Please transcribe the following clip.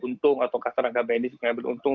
untung atau kata rangka bni mengambil untung